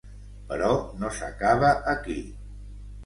Però no s'acaba aquí.